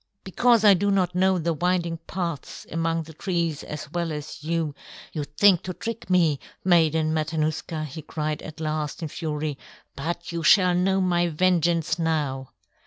"Because I do not know the winding paths among the trees as well as you, you think to trick me, Maiden Matanuska," he cried at last, in fury, "but you shall know my vengeance now."